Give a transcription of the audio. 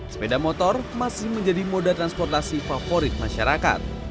sepeda motor masih menjadi moda transportasi favorit masyarakat